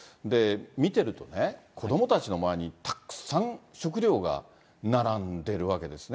見てるとね、子どもたちの前にたくさん食料が並んでるわけですね。